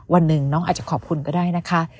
วันหนึ่งน้องอาจจะขอบคุณก็ได้นะคะ